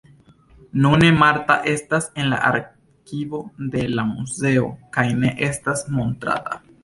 Nune, Martha estas en la arkivo de la muzeo kaj ne estas montrata.